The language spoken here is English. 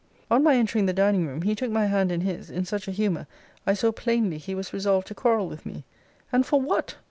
] On my entering the dining room, he took my hand in his, in such a humour, I saw plainly he was resolved to quarrel with me And for what?